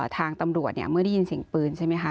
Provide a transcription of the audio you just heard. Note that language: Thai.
ทางตำรวจเนี่ยเมื่อได้ยินเสียงปืนใช่ไหมคะ